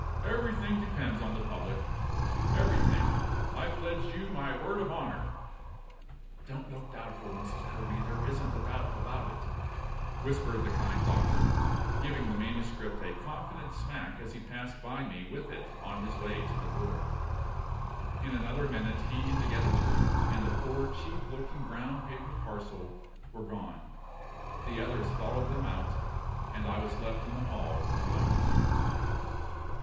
"Everything depends upon the public everything, I pledge you my word of honor." "Don't look doubtful, Mrs. Kerby; there isn't a doubt about it," whispered the kind doctor, giving the manuscript a confident smack as he passed by me with it on his way to the door. In another minute he and the editor, and the poor cheap looking brown paper parcel, were gone. The others followed them out, and I was left in the hall alone.